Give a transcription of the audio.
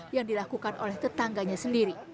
yang dilakukan oleh tetangganya sendiri